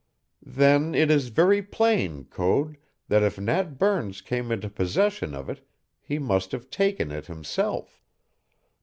"Then it is very plain, Code, that if Nat Burns came into possession of it he must have taken it himself.